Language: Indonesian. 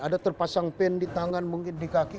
ada terpasang pen di tangan mungkin di kaki